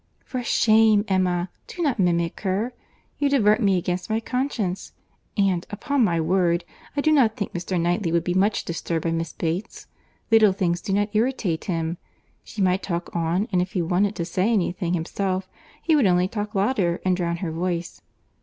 '" "For shame, Emma! Do not mimic her. You divert me against my conscience. And, upon my word, I do not think Mr. Knightley would be much disturbed by Miss Bates. Little things do not irritate him. She might talk on; and if he wanted to say any thing himself, he would only talk louder, and drown her voice.